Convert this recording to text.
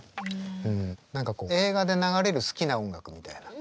うん何か映画で流れる好きな音楽みたいな。